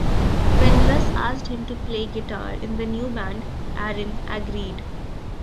When Russ asked him to play guitar in the new band, Aaron agreed.